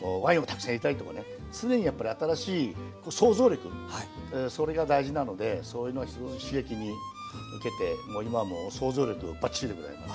こうワインをたくさん入れたりとかね常にやっぱり新しい想像力それが大事なのでそういうのは刺激に受けてもう今もう想像力バッチリでございます。